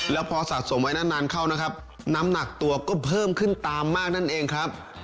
แล้วพอสะสมไว้นานเข้านะครับน้ำหนักตัวก็เพิ่มขึ้นตามมากนั่นเองครับ